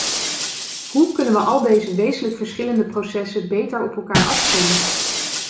Hoe kunnen we al deze wezenlijk verschillende processen beter op elkaar afstemmen?